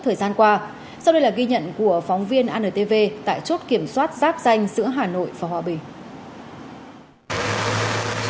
thời gian qua sau đây là ghi nhận của phóng viên antv tại chốt kiểm soát giáp danh giữa hà nội và hòa bình